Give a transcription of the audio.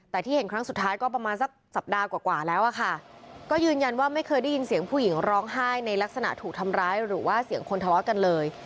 แต่ที่เห็นครั้งสุดท้ายก็ประมาณสักสัปดาห์กว่าแล้วอะค่ะก็ยืนยันว่าไม่เคยได้ยินเสียงผู้หญิงร้องไห้ในลักษณะถูกทำร้ายหรือว่าเสียงคนทะเลาะกันเลย